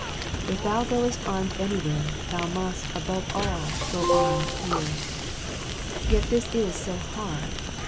If thou goest armed anywhere, thou must, above all, go armed here. Yet this is so hard.